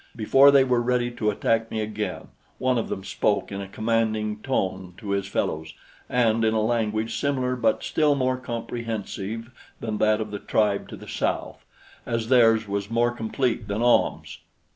Before they were ready to attack me again, one of them spoke in a commanding tone to his fellows, and in a language similar but still more comprehensive than that of the tribe to the south, as theirs was more complete than Ahm's.